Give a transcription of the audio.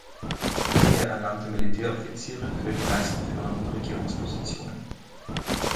Er ernannte Militäroffiziere für die meisten führenden Regierungspositionen.